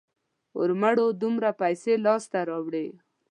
ارومرو دومره پیسې لاسته راوړي.